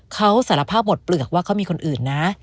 เขาสารภาพหมดเปลือกว่าเขามีคนอื่นนะ